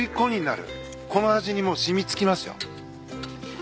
この味にもう染みつきますよ。